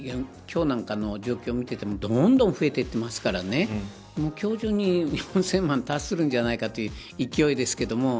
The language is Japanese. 今日なんかの状況を見ていてもどんどん増えていっていますから今日中に４０００万円達するんじゃないかという勢いですけど。